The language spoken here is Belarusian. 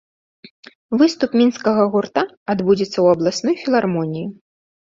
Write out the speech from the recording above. Выступ мінскага гурта адбудзецца ў абласной філармоніі.